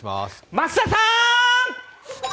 増田さーーん！